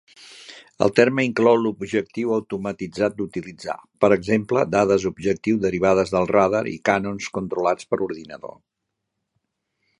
El terme inclou l'objectiu automatitzat d'utilitzar, per exemple, dades objectiu derivades del radar i canons controlats per ordinador.